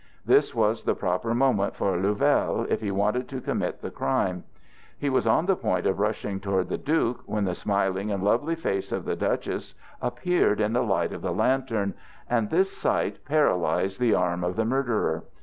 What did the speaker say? This was the proper moment for Louvel, if he wanted to commit the crime. He was on the point of rushing toward the Duke, when the smiling and lovely face of the Duchess appeared in the light of the lantern, and this sight paralyzed the arm of the murderer.